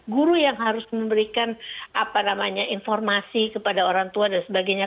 guru yang harus memberikan informasi kepada orang tua dan sebagainya